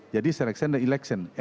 jadi seleksi dan eleksi